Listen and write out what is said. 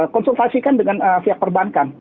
konsultasikan dengan pihak perbankan